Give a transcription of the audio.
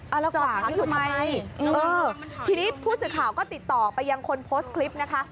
เอาแล้วถามอยู่ทำไมเออทีนี้ผู้สื่อข่าวก็ติดต่อไปยังคนโพสต์คลิปนะคะ